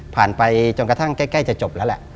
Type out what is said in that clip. ไปจนกระทั่งใกล้จะจบแล้วแหละ